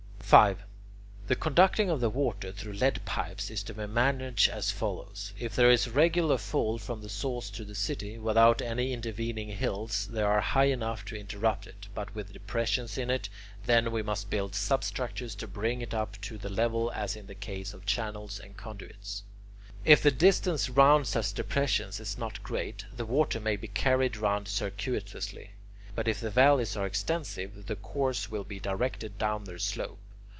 5. The conducting of the water through lead pipes is to be managed as follows. If there is a regular fall from the source to the city, without any intervening hills that are high enough to interrupt it, but with depressions in it, then we must build substructures to bring it up to the level as in the case of channels and conduits. If the distance round such depressions is not great, the water may be carried round circuitously; but if the valleys are extensive, the course will be directed down their slope.